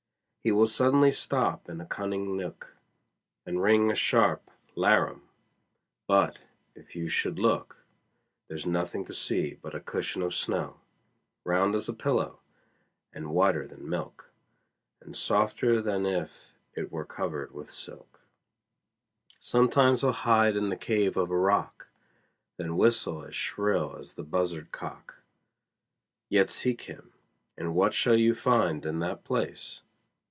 He will suddenly stop in a cunning nook, And ring a sharp 'larum; but, if you should look, There's nothing to see but a cushion of snow, Round as a pillow, and whiter than milk And softer than if it were covered with silk. Sometimes he'll hide in the cave of a rock, Then whistle as shrill as the buzzard cock; Yet seek him, and what shall you find in that place?